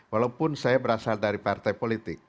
walaupun saya berasal dari partai politik